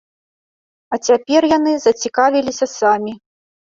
А цяпер яны зацікавіліся самі.